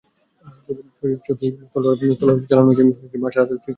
ছবির চরিত্রের প্রয়োজনে তলোয়ার চালানো শেখার পাশাপাশি মার্শাল আর্টও শিখছেন দীপিকা।